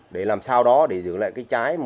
để làm sao đó để giữ lại trái